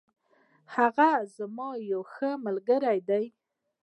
هغه زما یو ښه ملگری دی.